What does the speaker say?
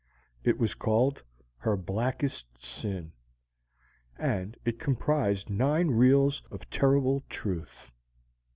It was called "Her Blackest Sin," and it comprised nine reels of terrible truth.